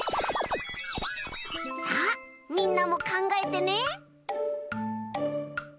さあみんなもかんがえてね。